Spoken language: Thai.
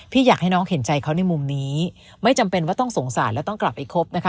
อยากให้น้องเห็นใจเขาในมุมนี้ไม่จำเป็นว่าต้องสงสารแล้วต้องกลับไปคบนะคะ